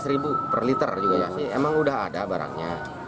rp lima belas per liter juga ya emang udah ada barangnya